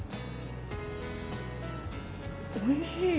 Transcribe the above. おいしい。